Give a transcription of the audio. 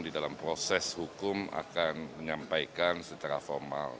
di dalam proses hukum akan menyampaikan secara formal